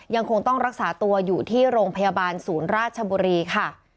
ยังคงต้องรักษาตัวอยู่ที่โรงพยาบาลศูนย์ราชบุรีค่ะ